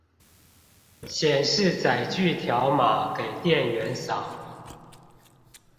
顯示載具條碼給店員掃